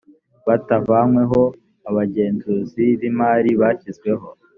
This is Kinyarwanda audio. batavanyweho abagenzuzi b imari bashyizweho